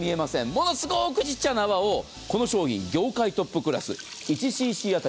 ものすごくちっちゃな泡をこの商品、業界トップクラス。